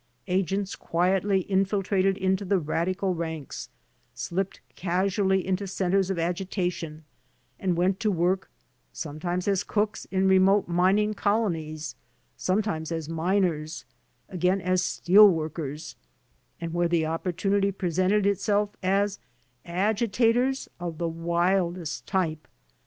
Agents quietly infiltrated into the radical ranks, slipped casually into centers of agitation, and went to work, sometimes as cooks in remote mining colo nies, sometimes as miners, again as steel workers, and, where the opportunity presented itself, as "agitators'* of the wildest type.